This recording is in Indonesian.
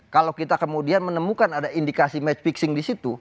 kalau kita kemudian menemukan ada indikasi match fixing di situ